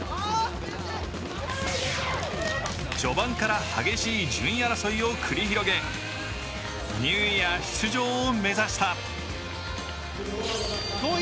序盤から激しい順位争いを繰り広げニューイヤー出場を目指した。